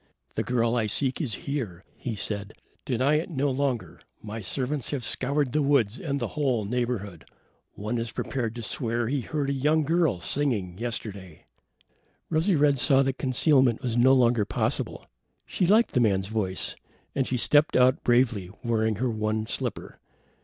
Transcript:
"The girl I seek is here," he said. "Deny it no longer. My servants have scoured the woods and the whole neighborhood. One is prepared to swear he heard a young girl singing yesterday." Rosy red saw that concealment was no longer possible. She liked the man's voice, and she stepped out bravely, wearing her one slipper.